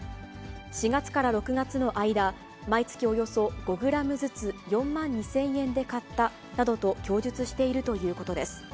４月から６月の間、毎月およそ５グラムずつ４万２０００円で買ったなどと供述しているということです。